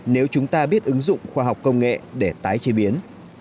nếu chúng ta biết ứng dụng khoa học công nghệ để tái chế biến